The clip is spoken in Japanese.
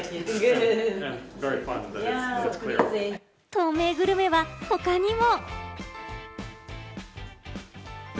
透明グルメは他にも。